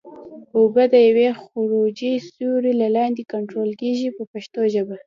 اوبه د یوې خروجي سوري له لارې کنټرول کېږي په پښتو ژبه.